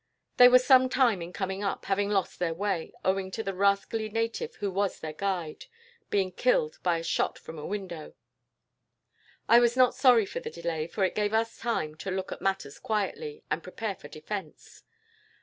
They were some time in coming up, having lost their way, owing to the rascally native who was their guide being killed by a shot from a window. "I was not sorry for the delay, for it gave us time to look at matters quietly, and prepare for defence.